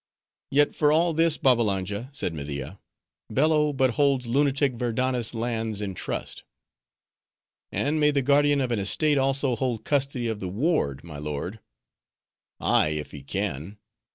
"Yet for all this, Babbalanja," said Media, "Bello but holds lunatic Verdanna's lands in trust." "And may the guardian of an estate also hold custody of the ward, my lord?" "Ay, if he can.